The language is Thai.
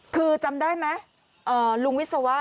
คือจำได้ไหมลุงวิศวะ